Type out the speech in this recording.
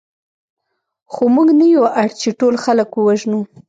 خو موږ نه یو اړ چې ټول خلک ووژنو